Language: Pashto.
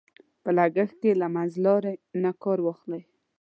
په لګښت کې له منځلارۍ نه کار واخله.